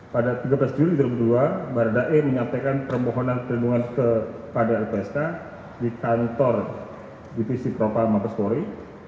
pada tiga belas juli dua ribu dua baradae menyampaikan permohonan perlindungan kepada lpsk di kantor divisi propam mabespori